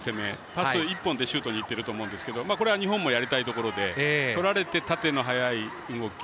パス１本でシュートにいってると思うんですけどこれは日本もやりたいところでとられて、縦の早い動き。